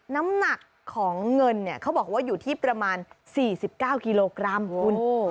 น้ำหนักของเงินเนี่ยเขาบอกว่าอยู่ที่ประมาณ๔๙กิโลกรัมคุณ